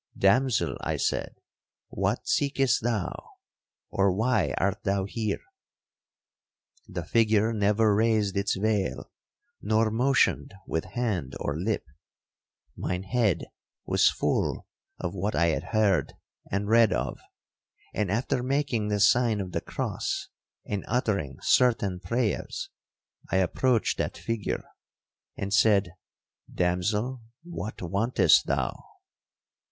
'Damsel,' I said, 'what seekest thou?—or why art thou here?' The figure never raised its veil, nor motioned with hand or lip. Mine head was full of what I had heard and read of; and after making the sign of the cross, and uttering certain prayers, I approached that figure, and said, 'Damsel, what wantest thou?'